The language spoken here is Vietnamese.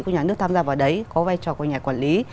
của nhà nước tham gia vào đấy có vai trò của nhà quản lý